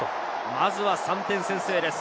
まずは３点先制です。